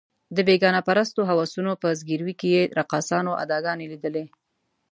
د بېګانه پرستو هوسونو په ځګیروي کې یې رقاصانو اداګانې لیدلې.